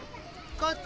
こっち！